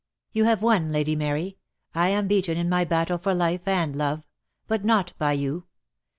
"You have won, Lady Mary. I am beaten in my battle for life and love; but not by you.